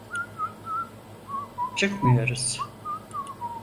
Çıkmıyoruz.